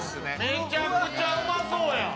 めちゃくちゃうまそうやん！